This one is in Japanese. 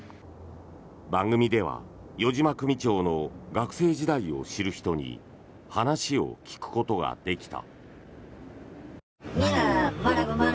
番組では余嶋組長の学生時代を知る人に話を聞くことができた。